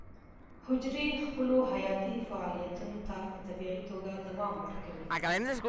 حجرې خپلو حیاتي فعالیتونو ته په طبیعي توګه دوام ورکوي.